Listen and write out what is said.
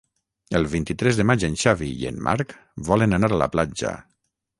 El vint-i-tres de maig en Xavi i en Marc volen anar a la platja.